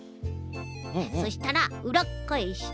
そしたらうらっかえして。